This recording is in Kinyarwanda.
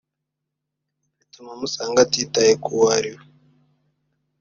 bituma amusanga atitaye k'uwo ari we